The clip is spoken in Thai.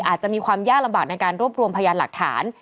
อาจจะมีความยากลำบากในการรวบรวมพยานหลักฐาน